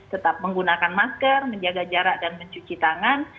tetap menggunakan masker menjaga jarak dan mencuci tangan